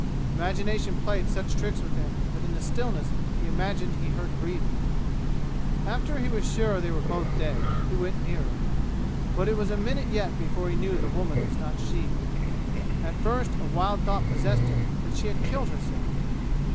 Imagination played such tricks with him that in the stillness he imagined he heard breathing. After he was sure they were both dead, he went nearer, but it was a minute yet before he knew the woman was not she. At first a wild thought possessed him that she had killed herself.